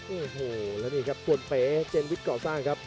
โอ้โหแล้วนี่ครับส่วนเป๋เจนวิทย์ก่อสร้างครับ